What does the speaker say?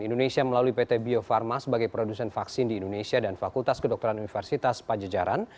indonesia melalui pt bio farma sebagai produsen vaksin di indonesia dan fakultas kedokteran universitas pajajaran